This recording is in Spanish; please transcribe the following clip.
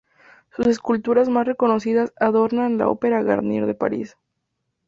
Sus esculturas más reconocidas adornan la Ópera Garnier de París.